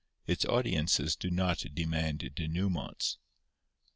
Its audiences do not demand dénouements.